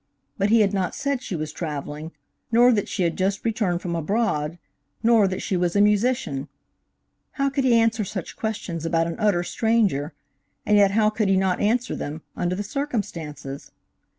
But he had not said she was travelling, nor that she had just returned from abroad, nor that she was a musician. How could he answer such questions about an utter stranger, and yet how could he not answer them, under the circumstances?